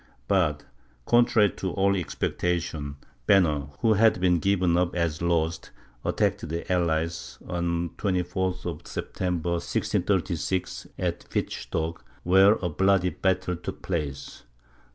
But, contrary to all expectation, Banner, who had been given up as lost, attacked the allies, on the 24th of September, 1636, at Wittstock, where a bloody battle took place.